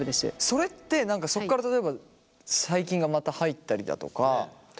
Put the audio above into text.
それって何かそこから例えば細菌がまた入ったりだとか。